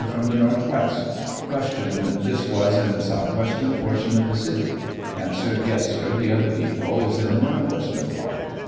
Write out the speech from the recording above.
From the northwest. Q. And this was in the southwestern portion of the city? A. Yes, sir ; the other depot is in the northwestern part.